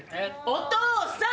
お父さん。